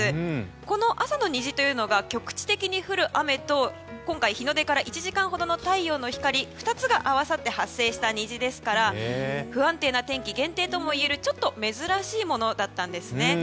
この朝の虹というのが局地的に降る雨と日の出から１時間ほどの太陽の光２つが合わさって発生した虹ですから不安定な天気限定ともいえる珍しいものだったんですね。